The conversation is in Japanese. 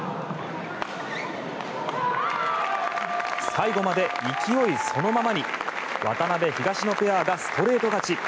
最後まで勢いそのままに渡辺、東野ペアがストレート勝ち。